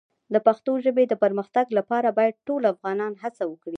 د پښتو ژبې د پرمختګ لپاره باید ټول افغانان هڅه وکړي.